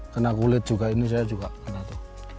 kena kulit juga ini saya juga kena tuh